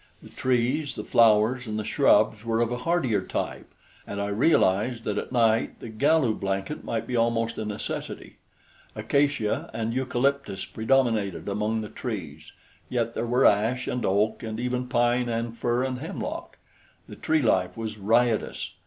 The trees, the flowers and the shrubs were of a hardier type, and I realized that at night the Galu blanket might be almost a necessity. Acacia and eucalyptus predominated among the trees; yet there were ash and oak and even pine and fir and hemlock. The tree life was riotous.